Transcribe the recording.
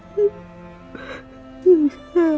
ibu minta ibu ngapa